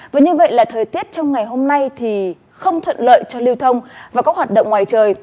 với như vậy là thời tiết trong ngày hôm nay thì không thuận lợi cho lưu thông và các hoạt động ngoài trời